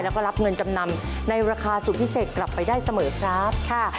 แล้วก็รับเงินจำนำในราคาสุดพิเศษกลับไปได้เสมอครับค่ะ